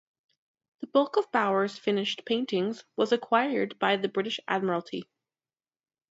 The bulk of Bauer's finished paintings was acquired by the British Admiralty.